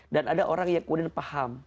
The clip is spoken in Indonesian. dan ada orang yang kuden paham